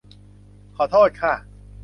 ขอโทษคะ